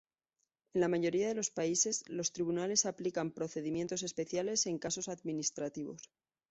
En la mayoría de los países, los tribunales aplican procedimientos especiales en casos administrativos.